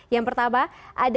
yang pertama aduh